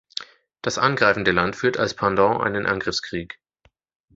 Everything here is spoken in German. Das angreifende Land führt als Pendant einen Angriffskrieg.